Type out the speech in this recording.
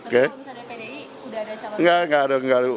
misalnya pdi udah ada calon